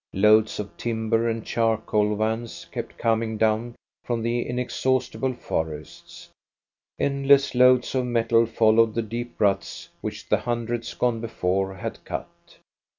Loads of timber and charcoal vans kept coming down from the inexhaust ible forests. Endless loads of metal followed the deep ruts which the hundreds gone before had cut.